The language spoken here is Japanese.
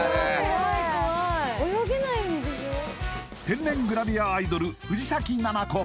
天然グラビアアイドル藤崎奈々子